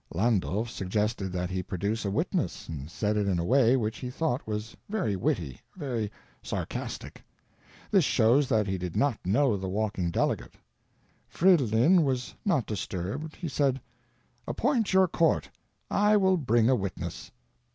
Landulph suggested that he produce a witness and said it in a way which he thought was very witty, very sarcastic. This shows that he did not know the walking delegate. Fridolin was not disturbed. He said: "Appoint your court. I will bring a witness."